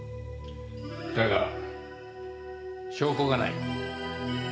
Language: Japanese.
だが証拠がない。